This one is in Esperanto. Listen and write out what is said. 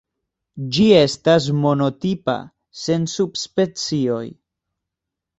Ĝi estas monotipa, sen subspecioj.